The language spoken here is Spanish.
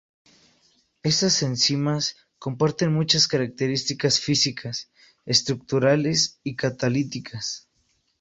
Estas enzimas comparten muchas características físicas, estructurales y catalíticas.